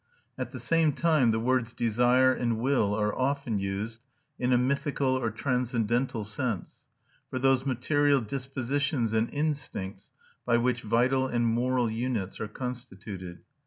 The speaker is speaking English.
At the same time the words desire and will are often used, in a mythical or transcendental sense, for those material dispositions and instincts by which vital and moral units are constituted.